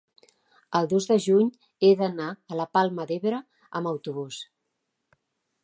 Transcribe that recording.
el dos de juny he d'anar a la Palma d'Ebre amb autobús.